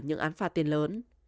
những án phạt tiền lớn